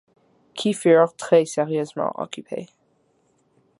qui furent très-sérieusement occupées.